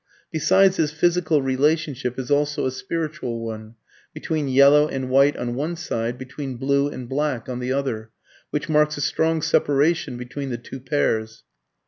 Besides this physical relationship, is also a spiritual one (between yellow and white on one side, between blue and black on the other) which marks a strong separation between the two pairs.